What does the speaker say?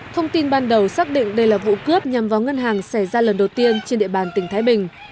thông tin ban đầu xác định đây là vụ cướp nhằm vào ngân hàng xảy ra lần đầu tiên trên địa bàn tỉnh thái bình